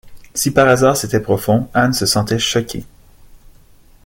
Si par hasard c’était profond, Anne se sentait choquée.